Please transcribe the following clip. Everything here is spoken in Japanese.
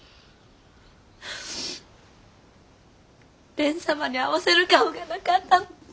蓮様に会わせる顔がなかったの。